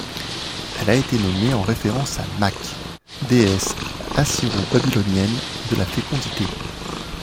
Elle a été nommée en référence à Makh, déesse Assyro-Babylonienne de la fécondité.